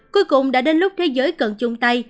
cuối cùng đã đến lúc thế giới cần chung tay